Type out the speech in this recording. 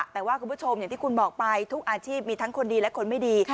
แต่ว่าคุณผู้ชมอย่างที่คุณบอกไปทุกอาชีพมีทั้งคนดีและคนไม่ดี